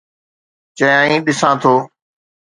چيائين: ڏسان ٿو.